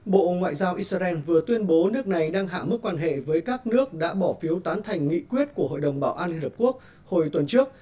bộ ngoại giao israel vừa tuyên bố nước này đang hạ mức quan hệ với các nước đã bỏ phiếu tán thành nghị quyết của hội đồng bảo an liên hợp quốc hồi tuần trước